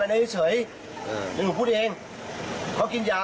แล้วนี้เฉยนั้นแค่เฉย